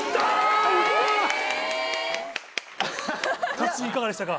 達人いかがでしたか？